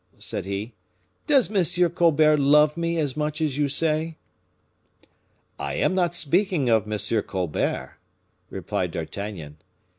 said he; "does M. Colbert love me as much as you say?" "I am not speaking of M. Colbert," replied D'Artagnan.